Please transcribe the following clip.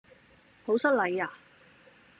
好失禮呀?